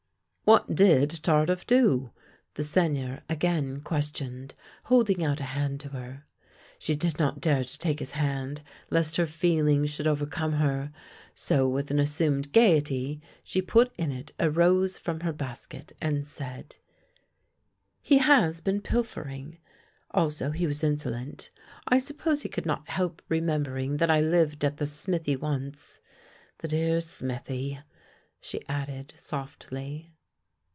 "What did Tardif do?" the Seigneur again ques tioned, holding out a hand to her. She did not dare to take his hand lest her feelings THE LANE THAT HAD NO TURNING 45 should overcome her; so with an assumed gaiety she put in it a rose from her basket and said: He has been pilfering. Also he was insolent. I suppose he could not help remembering that I lived at the smithy once — the dear smithy! " she added softly.